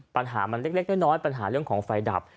ปัญหามันเล็กน้อยปัญหาเรื่องของไฟดับ